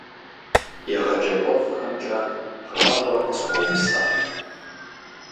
ЕгъэджакӀуэфӀхэмкӀэ гъащӀэр къысхуэупсат.